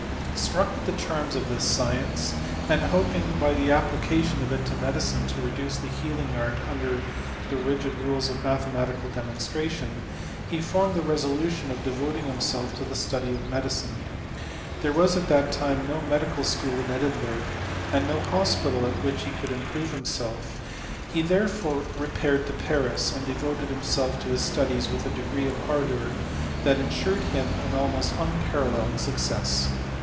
Struck with the charms of this science, and oping by the application of it to medicine to reduce the healing art under the rigid rules of mathematical demonstration, he formed the resolution of devoting himself to the study of medicine. There was at that time no medical school in Edinburgh, and no hospital at which he could improve himself; he therefore re paired to Paris, and devoted himself to his studies with ' a degree of ardour that ensured an almost unparal leled success.